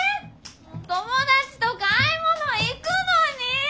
友達と買い物行くのにィ！